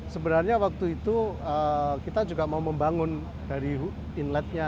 sebenarnya waktu itu kita juga mau membangun dari inletnya